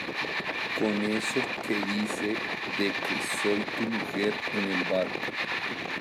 con eso que dice de que soy tu mujer en el barco.